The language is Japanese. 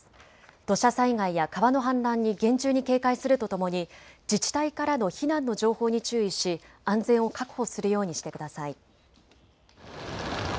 土砂災害や川の氾濫に厳重に警戒するとともに自治体からの避難の情報に注意し安全を確保するようにしてください。